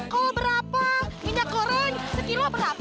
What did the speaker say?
kol berapa minyak goreng sekilo berapa